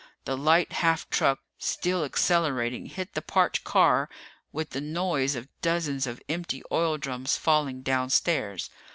The light half truck, still accelerating, hit the parked car with the noise of dozens of empty oil drums falling downstairs.